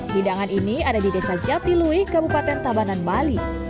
hidangan ini ada di desa jatilui kabupaten tabanan bali